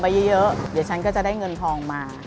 เยอะเดี๋ยวฉันก็จะได้เงินทองมา